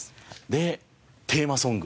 でテーマソング。